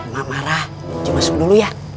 mak marah cuma sebelumnya ya